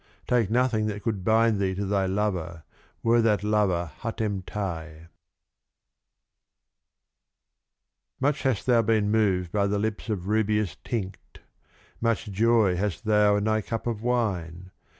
Take nothing that could bind thee to thy Lover, were that Lover Hatem Tai. (416) Much hast thou been moved by the Lips of rubious Tinct. Much joy hast thou in thy Cup of Wine.